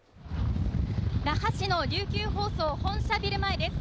那覇市の琉球放送本社ビル前です